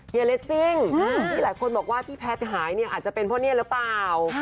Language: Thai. เฮียเรสซิ่งหลายคนบอกว่าที่แพทย์หายอาจจะเป็นพวกนี้หรือเปล่า